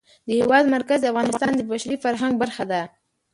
د هېواد مرکز د افغانستان د بشري فرهنګ برخه ده.